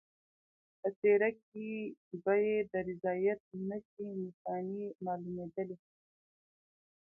په څېره کې به یې د رضایت نښې نښانې معلومېدلې.